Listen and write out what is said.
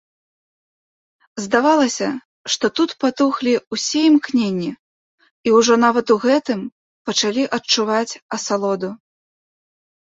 Здавалася, што тут патухлі ўсе імкненні і ўжо нават у гэтым пачалі адчуваць асалоду.